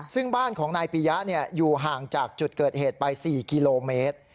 ซึ่งบ้านของนายปียะอยู่ห่างจากจุดเกิดเหตุไป๔กิโลเมตร